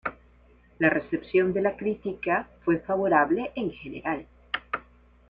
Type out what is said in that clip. La recepción de la crítica fue favorable en general.